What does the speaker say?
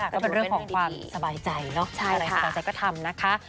ก็ถือว่าเป็นเรื่องดีใช่ค่ะอะไรสบายใจก็ทำนะคะ